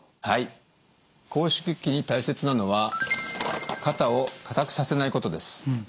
はい拘縮期に大切なのは肩を硬くさせないことです。